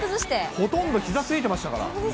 ほとんどひざついてましたから。